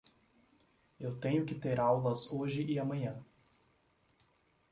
Eu tenho que ter aulas hoje e amanhã.